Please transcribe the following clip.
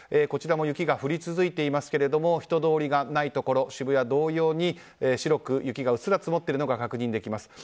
こちらも雪が降り続いていますが人通りがないところ渋谷同様に白く雪がうっすら積もっているのが確認できます。